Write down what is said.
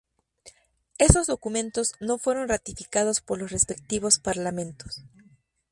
Esos documentos no fueron ratificados por los respectivos parlamentos.